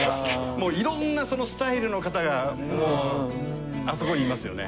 もういろんなスタイルの方があそこにいますよね。